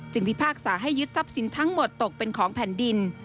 พิพากษาให้ยึดทรัพย์สินทั้งหมดตกเป็นของแผ่นดิน